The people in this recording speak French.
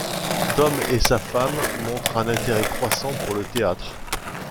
Tom et sa femme montrent un intérêt croissant pour le théâtre.